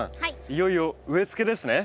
いよいよ植えつけですね。